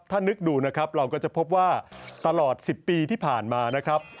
ถ้านึกดูนะครับเราก็จะพบว่าตลอด๑๐ปีที่ผ่านมานะครับ